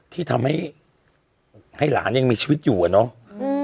ที่ทำให้หลานยังมีชีวิตอยู่อะเนาะ